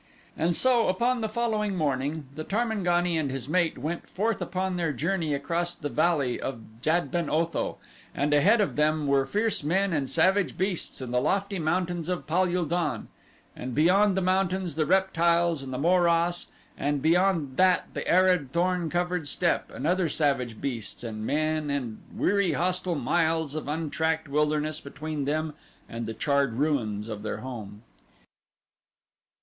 And so, upon the following morning, the Tarmangani and his mate went forth upon their journey across the Valley of Jad ben Otho, and ahead of them were fierce men and savage beasts, and the lofty mountains of Pal ul don; and beyond the mountains the reptiles and the morass, and beyond that the arid, thorn covered steppe, and other savage beasts and men and weary, hostile miles of untracked wilderness between them and the charred ruins of their home.